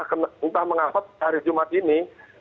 entah mengawat hari jumat ini